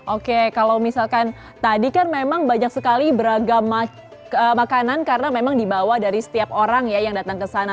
oke kalau misalkan tadi kan memang banyak sekali beragam makanan karena memang dibawa dari setiap orang ya yang datang ke sana